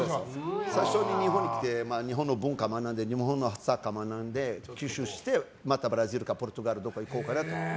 最初に日本に来て日本の文化を学んで日本のサッカー学んで吸収してまたブラジルやポルトガルに行こうと思ってた。